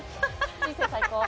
人生最高。